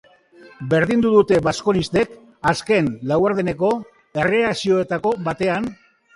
Berdindu dute baskonistek, azken laurdeneko erreakzioetako batean.